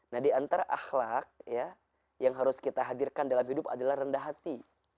nah diantara akhlak ya yang harus kita hadirkan dalam hidup adalah rendah hati